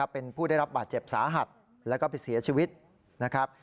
เป็นผู้ได้รับบาดเจ็บสาหัสแล้วก็ไปเสียชีวิตนะครับ